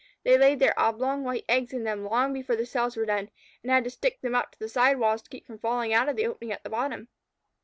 They laid their oblong white eggs in them long before the cells were done, and had to stick them up to the side walls to keep them from falling out of the opening at the bottom.